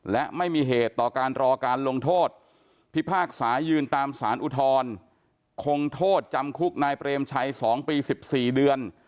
และไม่มีเหตุต่อการรอการลงโทษพิพากษายืนตามสารอุทธรคงโทษจำคุกนายเปรมชัย๒ปี๑๔เดือน